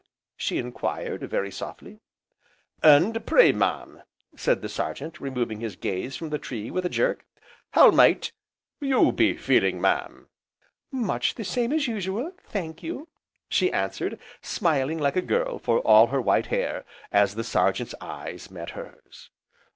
she enquired, very softly: "And pray, mam," said the Sergeant, removing his gaze from the tree with a jerk, "how might you be feeling, mam?" "Much the same as usual, thank you," she answered, smiling like a girl, for all her white hair, as the Sergeant's eyes met hers.